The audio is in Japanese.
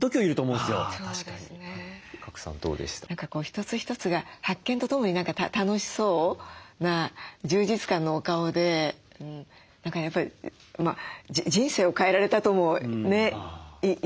一つ一つが発見とともに楽しそうな充実感のお顔で何かやっぱり人生を変えられたともね言っていいと。